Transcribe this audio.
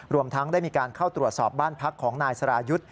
รวมทั้งได้มีการเข้าตรวจสอบบ้านพักของนายสรายุทธ์